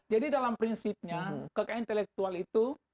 jadi dalam prinsipnya kekayaan intelektual itu